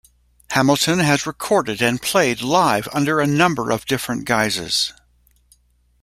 Hamilton has recorded and played live under a number of different guises.